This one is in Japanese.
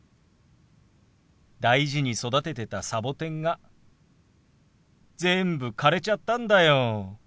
大事に育ててたサボテンが全部枯れちゃったんだよ。